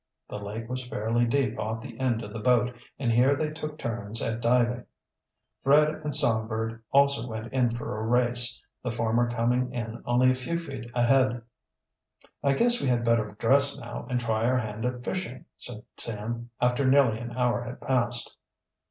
The lake was fairly deep off the end of the boat and here they took turns at diving. Fred and Songbird also went in for a race, the former coming in only a few feet ahead. "I guess we had better dress now and try our hand at fishing," said Sam after nearly an hour had passed.